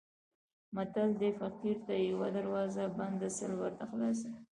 متل دی: فقیر ته یوه دروازه بنده سل ورته خلاصې وي.